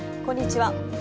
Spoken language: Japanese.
こんにちは。